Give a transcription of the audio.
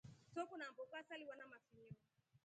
Soko na mboka saliwa na mafinyo.